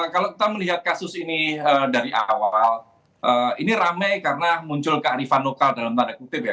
kalau kita melihat kasus ini dari awal ini rame karena muncul kearifan lokal dalam tanda kutip ya